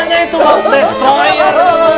makanya itu rock destroyer